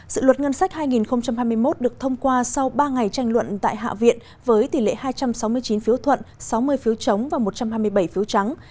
dự luật ngân sách hai nghìn hai mươi một được thông qua sau ba ngày tranh luận tại hạ viện với tỷ lệ hai trăm sáu mươi chín phiếu thuận sáu mươi phiếu chống và một trăm hai mươi bảy phiếu trắng